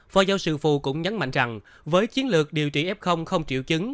phó giáo sư phù cũng nhấn mạnh rằng với chiến lược điều trị f không triệu chứng